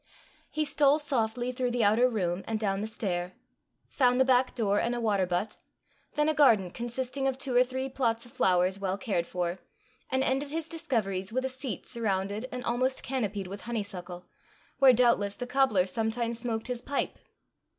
He stole softly through the outer room, and down the stair; found the back door and a water butt; then a garden consisting of two or three plots of flowers well cared for; and ended his discoveries with a seat surrounded and almost canopied with honeysuckle, where doubtless the cobbler sometimes smoked his pipe!